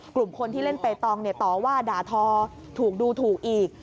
กลุ่มคนที่เล่นเปตองต่อว่าด่าทอถูกดูถูกอีก